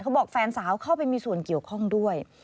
บอกแฟนสาวเข้าไปมีส่วนเกี่ยวข้องด้วย